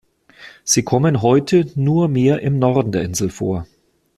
Sie kommen heute nur mehr im Norden der Insel vor.